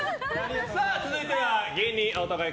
続いては芸人青田買い！